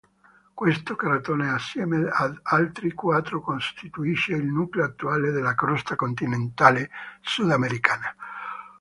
Questo cratone assieme ad altri quattro costituisce il nucleo attuale della crosta continentale sudamericana.